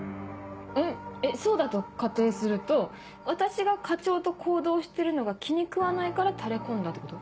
んえっそうだと仮定すると私が課長と行動してるのが気に食わないからタレ込んだってこと？